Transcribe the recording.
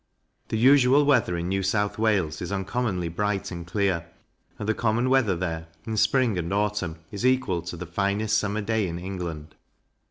The usual weather in New South Wales is uncommonly bright and clear, and the common weather there, in spring and autumn, is equal to the finest summer day in England.